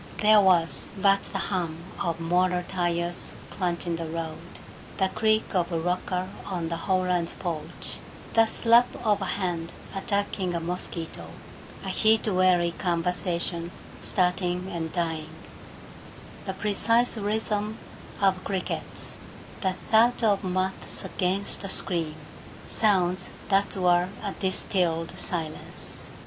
There was but the hum of motor tires crunching the road, the creak of a rocker on the Howlands' porch, the slap of a hand attacking a mosquito, a heat weary conversation starting and dying, the precise rhythm of crickets, the thud of moths against the screen sounds that were a distilled silence.